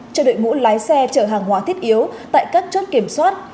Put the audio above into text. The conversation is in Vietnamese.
cho đội ngũ lái xe chở hàng hóa thiết yếu tại các chốt kiểm soát